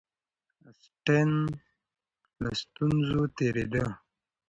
اسټن له ستونزو تېرېده.